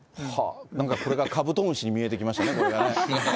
なんかこれがカブトムシに見えてきましたね、これがね。